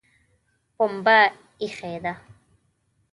پمبه ایښې ده